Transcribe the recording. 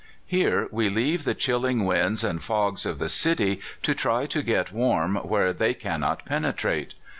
Here, we leave the chilling winds and fogs of the ci^ to try to get warm where they cannot penetrate.